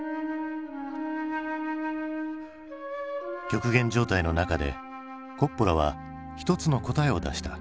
極限状態の中でコッポラは一つの答えを出した。